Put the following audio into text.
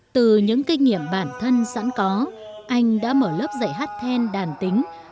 vương ta đi chân lý sáng ngời dưới cờ đàn thân nhiên